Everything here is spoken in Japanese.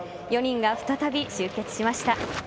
４人が再び集結しました。